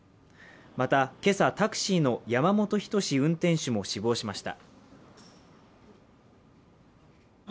また今朝、タクシーの山本斉運転手も死亡しました。